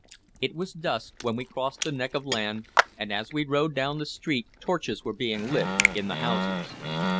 It was dusk when we crossed the neck of land, and as we rode down the street torches were being lit in the houses.